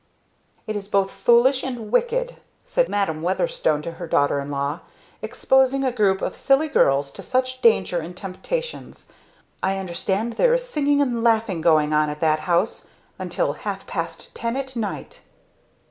"It is both foolish and wicked!" said Madam Weatherstone to her daughter in law, "Exposing a group of silly girls to such danger and temptations! I understand there is singing and laughing going on at that house until half past ten at night."